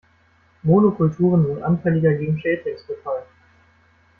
Monokulturen sind anfälliger gegen Schädlingsbefall.